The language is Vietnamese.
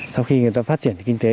sau khi người ta phát triển kinh tế